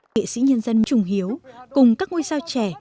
nghệ sĩ nhân dân trung hiếu cùng các ngôi sao trẻ